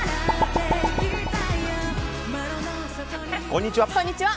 こんにちは。